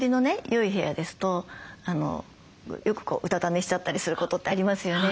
良い部屋ですとよくうたた寝しちゃったりすることってありますよね。